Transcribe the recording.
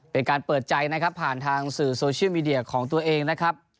เป็นการเปิดใจนะครับผ่านทางสื่อโซเชียลมีเดียของตัวเองนะครับ